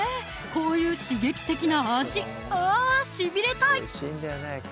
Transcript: こういう刺激的な味あしびれたい！